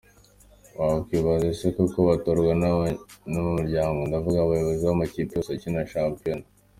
Wakwibaza ese koko batorwa n’abanyamuryango, ndavuga abayobozi b’amakipe yose akina shampiyona?